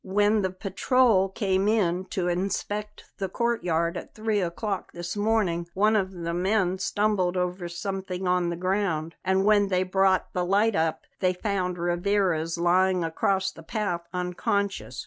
When the patrol came in to inspect the courtyard at three o'clock this morning one of the men stumbled over something on the ground; and when they brought the light up they found Rivarez lying across the path unconscious.